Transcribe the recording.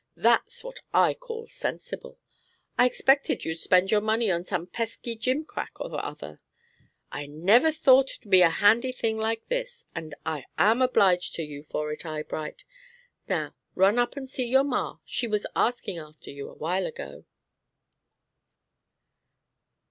"That's what I call sensible. I expected you'd spend your money on some pesky gimcrack or other. I never thought 't would be a handy thing like this, and I am obliged to you for it, Eyebright. Now run up and see your ma. She was asking after you a while ago."